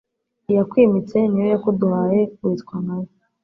Iyakwimitse ni yo yakuduhaye witwa nka Yo.